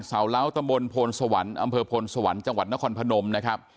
เล้าตำบลโพนสวรรค์อำเภอพลสวรรค์จังหวัดนครพนมนะครับ